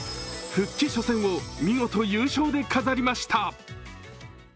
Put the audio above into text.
復帰初戦を見事、優勝で飾りました。